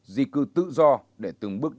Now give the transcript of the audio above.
di cư tự do để từng bước